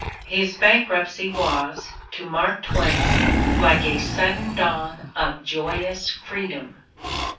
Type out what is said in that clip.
His bankruptcy was, to Mark Twain, like a sudden dawn of joyous freedom.